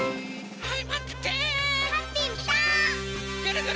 はい！